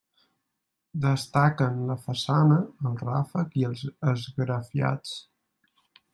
Destaquen la façana, el ràfec i els esgrafiats.